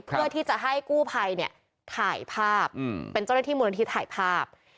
เพื่อที่จะให้กู้ภัยเนี่ยถ่ายภาพเป็นเจ้าหน้าที่มูลนิธิถ่ายภาพ